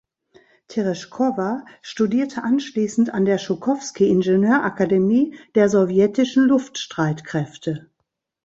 Tereschkowa studierte anschließend an der Schukowski-Ingenieurakademie der sowjetischen Luftstreitkräfte.